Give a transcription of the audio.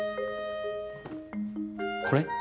これ？